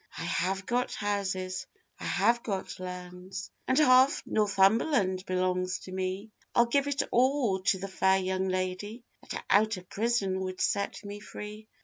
'I have got houses, I have got lands, And half Northumberland belongs to me I'll give it all to the fair young lady That out of prison would set me free.